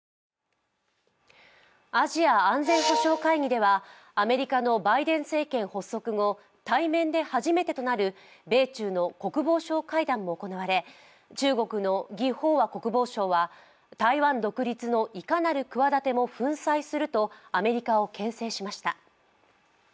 アジア安全保障会議ではアメリカのバイデン政権発足後、対面で初めてとなる米中の国防相会談も行われ中国の魏鳳和国防相は台湾独立のいかなる企ても粉砕するとアメリカをけん制しました。